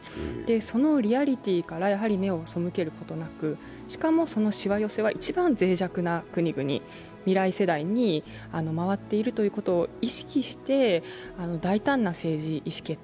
そのリアリティーから目を背けることなく、しかも、そのしわ寄せは一番脆弱な国々や未来世代に回っているということをこれはっ！